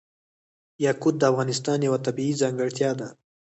یاقوت د افغانستان یوه طبیعي ځانګړتیا ده.